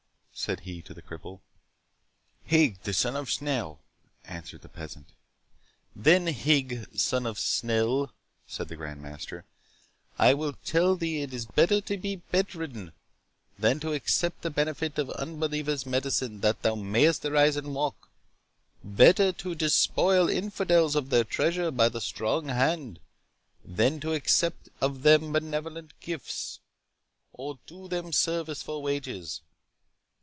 said he to the cripple. "Higg, the son of Snell," answered the peasant. "Then Higg, son of Snell," said the Grand Master, "I tell thee it is better to be bedridden, than to accept the benefit of unbelievers' medicine that thou mayest arise and walk; better to despoil infidels of their treasure by the strong hand, than to accept of them benevolent gifts, or do them service for wages.